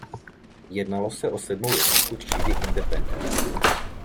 Jednalo se o sedmou jednotku třídy "Independence".